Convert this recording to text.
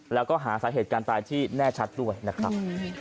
แล้วก็หาสาเหตุการณ์ตายที่แน่ชัดด้วยนะครับ